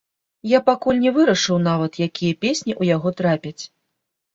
Я пакуль не вырашыў нават, якія песні ў яго трапяць.